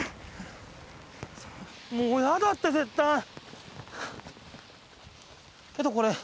もうやだって絶対！